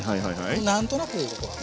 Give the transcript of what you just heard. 何となくでいいここは。